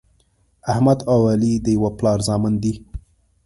احمد او علي د یوه پلار زامن دي.